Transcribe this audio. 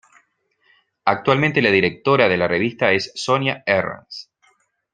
Actualmente la directora de la revista es Sonia Herranz.